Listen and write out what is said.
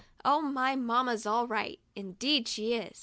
Oh, my mamma's all right; indeed she is!